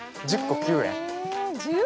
１０個９円。